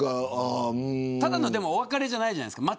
ただのお別れじゃないじゃないですか。